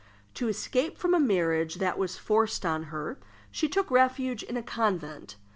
To escape from a marriage that was forced on her, she took refuge in a convent.